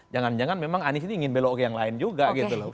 jangan jangan memang anies ini ingin belok ke yang lain juga gitu loh